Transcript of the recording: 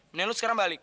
mending lu sekarang balik